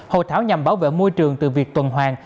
hội thảo nhằm bảo vệ môi trường từ việc tuần hoàng